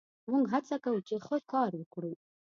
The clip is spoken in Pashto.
موږ هڅه کوو، چې ښه کار وکړو.